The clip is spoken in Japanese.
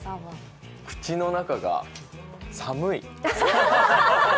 口の中が寒い。